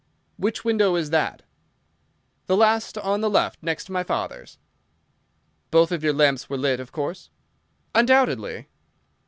"Which window is that?" "The last on the left next my father's." "Both of your lamps were lit, of course?" "Undoubtedly."